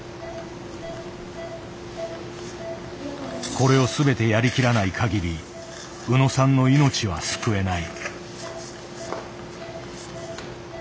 これを全てやりきらないかぎり宇野さんの命は救えない。